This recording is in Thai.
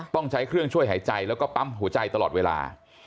ต้องใช้เครื่องช่วยหายใจแล้วก็ปั๊มหัวใจตลอดเวลา